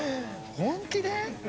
本気で？